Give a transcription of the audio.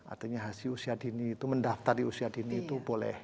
artinya usia dini itu mendaftar di usia dini itu boleh